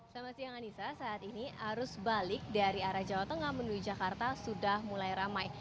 selamat siang anissa saat ini arus balik dari arah jawa tengah menuju jakarta sudah mulai ramai